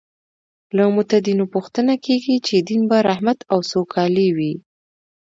له متدینو پوښتنه کېږي چې دین به رحمت او سوکالي وي.